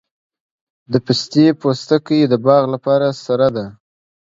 د پستې پوستکي د باغ لپاره سره ده؟